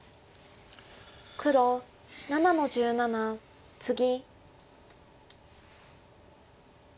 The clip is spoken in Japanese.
黒７の十七ツギ。